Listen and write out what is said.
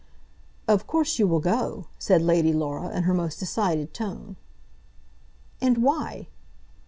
"Of course you will go," said Lady Laura, in her most decided tone. "And why?"